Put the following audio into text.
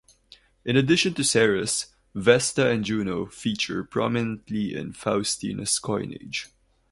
In addition to Ceres, Vesta and Juno feature prominently in Faustina's coinage.